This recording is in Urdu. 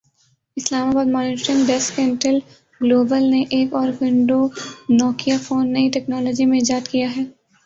اسلام آباد مانیٹرنگ ڈیسک انٹل گلوبل نے ایک اور ونڈو نوکیا فون نئی ٹیکنالوجی میں ایجاد کیا ہے